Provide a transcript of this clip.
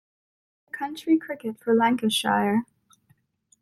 He played County Cricket for Lancashire.